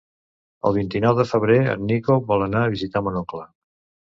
El vint-i-nou de febrer en Nico vol anar a visitar mon oncle.